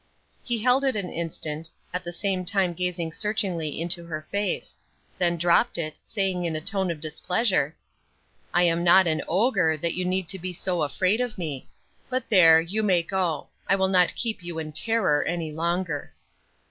He held it an instant, at the same time gazing searchingly into her face; then dropped it, saying in a tone of displeasure, "I am not an ogre, that you need be so afraid of me; but there, you may go; I will not keep you in terror any longer."